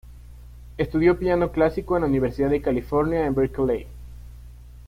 Estudió piano clásico en la Universidad de California en Berkeley.